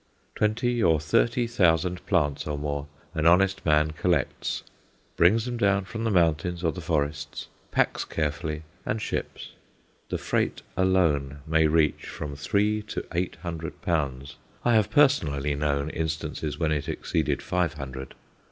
Twenty or thirty thousand plants or more an honest man collects, brings down from the mountains or the forests, packs carefully, and ships. The freight alone may reach from three to eight hundred pounds I have personally known instances when it exceeded five hundred.